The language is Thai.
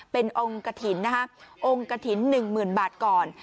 เป็นองค์กระถินนะครับองค์กระถินหนึ่งหมื่นบาทก่อน